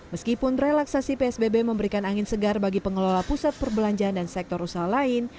meskipun relaksasi psbb memberikan angin segar bagi pengelola pusat perbelanjaan dan sektor usaha lain